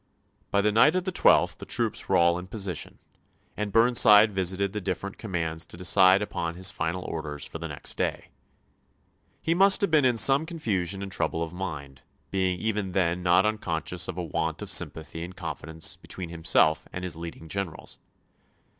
By the night of the 12th the troops were all in position, and Burnside visited the different commands to decide upon his final orders for the next day. He must have been in some confusion and trouble of mind, being even then not unconscious of a want of sympathy and FEEDERICKSBUKG 203 confidence between himself and his leading gen chap. x. erals.